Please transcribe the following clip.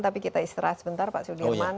tapi kita istirahat sebentar pak sudirman